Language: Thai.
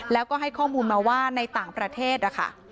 แล้วก็ให้ข้อมูลมาว่าในต่างประเทศนะคะ